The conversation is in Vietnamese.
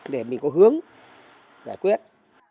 để mình có hướng giải quyết